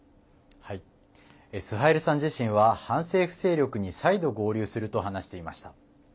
スハイルさん自身は反政府勢力に再度合流すると話していました。